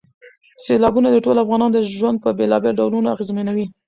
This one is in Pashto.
سیلابونه د ټولو افغانانو ژوند په بېلابېلو ډولونو اغېزمنوي.